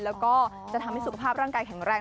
แล้วก็จะทำให้สุขภาพร่างกายแข็งแรง